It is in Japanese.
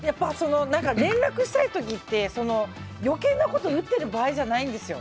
連絡したい時って余計なこと打ってる場合じゃないんですよ。